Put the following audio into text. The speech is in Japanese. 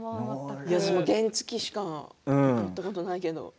原付きしか乗ったことないけど。